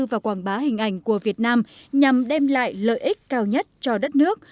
và quảng bá hình ảnh của việt nam nhằm đem lại lợi ích cao nhất cho đất nước